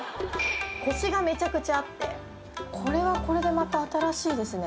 コシがめちゃくちゃあってこれはこれでまた新しいですね